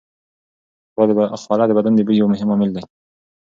خوله د بدن د بوی یو مهم عامل دی.